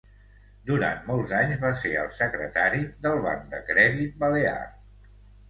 Durant molts d'anys va ser el secretari del Banc de Crèdit Balear.